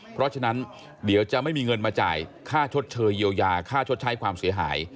เพราะฉะนั้นเดี๋ยวจะไม่มีเงินมาจ่ายค่าชดเชยเยียวยาค่าชดใช้ความเสียหาย